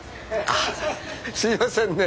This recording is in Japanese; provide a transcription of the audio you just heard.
あすいませんね。